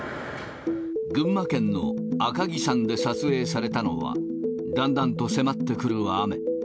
群馬県の赤城山で撮影されたのは、だんだんと迫ってくる雨。